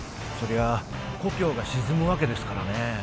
そりゃあ故郷が沈むわけですからね